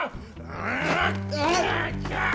あっ！